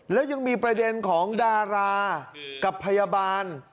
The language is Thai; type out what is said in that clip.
แล้วยังมีประเด็นของดารากับพยาบาล